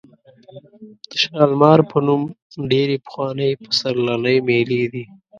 د شالمار په نوم ډېرې پخوانۍ پسرلنۍ مېلې دي.